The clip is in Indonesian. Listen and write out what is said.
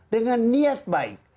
dengan niat baik